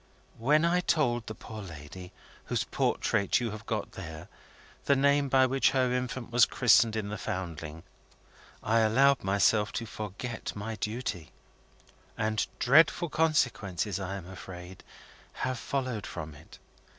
When I told the poor lady, whose portrait you have got there, the name by which her infant was christened in the Foundling, I allowed myself to forget my duty, and dreadful consequences, I am afraid, have followed from it.